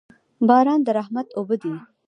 باران د رحمت اوبه دي.